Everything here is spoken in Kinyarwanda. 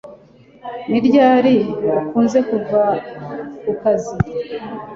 Ni ryari ukunze kuva ku kazi